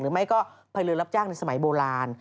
ไม่ก็ไปเรือนรับจ้างในสมัยโบราณ